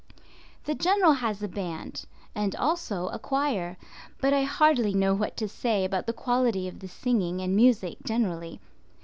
The General has a band, and also a choir; but I hardly know what to say about the quality of the singing and music generally.